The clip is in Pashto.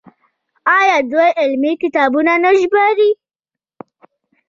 آیا دوی علمي کتابونه نه ژباړي؟